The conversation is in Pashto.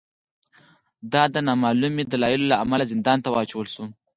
دای د نامعلومو دلایلو له امله زندان ته واچول شو.